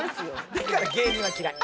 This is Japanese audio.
だから芸人は嫌い。